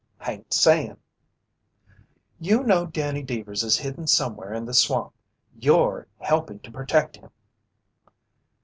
"Hain't saying." "You know Danny Deevers is hidden somewhere in the swamp! You're helping to protect him!"